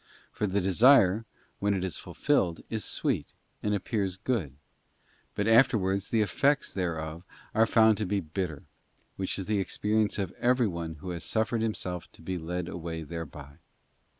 For the desire, when it is fulfilled, is sweet, and appears good, but afterwards the effects thereof are found to be bitter, which is the experience of everyone who has suffered himself to be led away thereby.